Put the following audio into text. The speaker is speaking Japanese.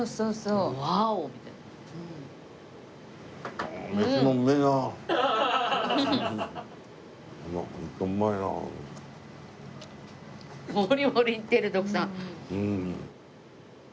うん。